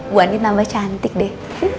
bu andien nambah cantik deh